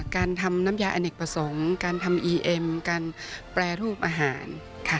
การทำน้ำยาอเนกประสงค์การทำอีเอ็มการแปรรูปอาหารค่ะ